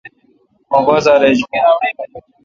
مہ بازار ایج بون